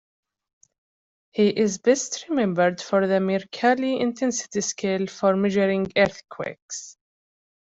He is best remembered for the Mercalli intensity scale for measuring earthquakes.